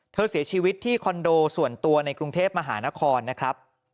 เสียชีวิตที่คอนโดส่วนตัวในกรุงเทพมหานครนะครับ